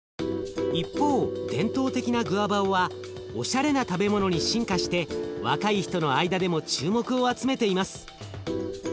一方伝統的なグアバオはおしゃれな食べ物に進化して若い人の間でも注目を集めています。